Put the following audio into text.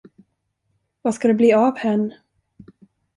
Vad ska det bli av herrn?